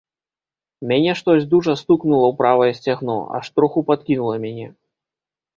Мяне штось дужа стукнула ў правае сцягно, аж троху падкінула мяне.